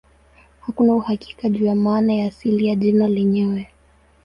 Hakuna uhakika juu ya maana ya asili ya jina lenyewe.